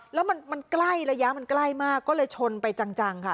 และมันใกล้ระยะมันได้เมื่อกว่าเลยชนไปจังค่ะ